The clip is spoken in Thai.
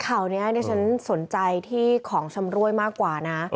อันนี้เนี่ยฉันสนใจที่ของชำรวยมากกว่านะ